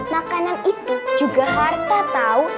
makanan itu juga harta tahu